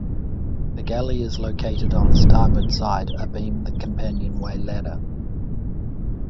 The galley is located on the starboard side abeam the companionway ladder.